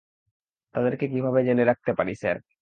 তাদেরকে কীভাবে জেলে রাখতে পারি, স্যার?